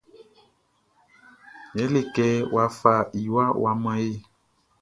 Ye le kɛ wa fa iwa wa man yé.